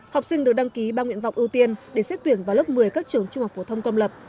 học sinh được đăng ký bằng tài liệu trung học phổ thông công lập